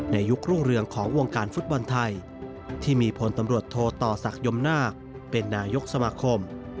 ยุครุ่งเรืองของวงการฟุตบอลไทยที่มีพลตำรวจโทต่อศักดิมนาคเป็นนายกสมาคม